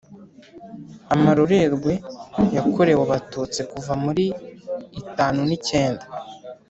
amarorerwe yakorewe abatutsi kuva muri itanu n’icyenda